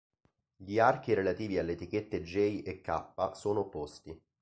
Gli archi relativi alle etichette j e k sono opposti.